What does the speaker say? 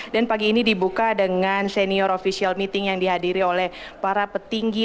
dan pagi ini dibuka dengan senior official meeting yang dihadiri oleh para petinggi